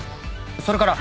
それから。